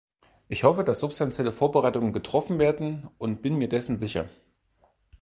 Ich hoffe, dass substantielle Vorbereitungen getroffen werden, und bin mir dessen sicher.